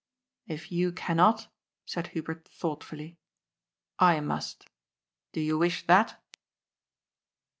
" If you cannot," said Hubert thoughtfully, " I must. Do you wish that